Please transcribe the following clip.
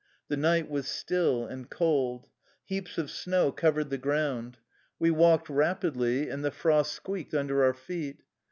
The night was still and cold. Heaps of snow covered the ground. We walked rapidly, and the frost squeaked un der our feet.